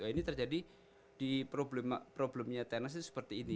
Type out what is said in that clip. ini terjadi di problemnya tenis itu seperti ini